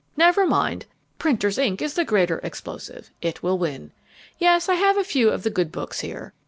Never mind! Printer's ink is the greater explosive: it will win. Yes, I have a few of the good books here.